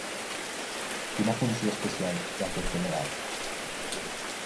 Quina funció especial té aquest delegat?